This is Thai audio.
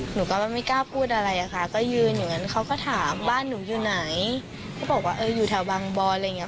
หนูก็ไม่กล้าพูดอะไรอะค่ะก็ยืนอย่างนั้นเขาก็ถามบ้านหนูอยู่ไหนก็บอกว่าเอออยู่แถวบางบอนอะไรอย่างเง